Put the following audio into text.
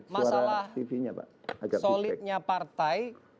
masalah solidnya partai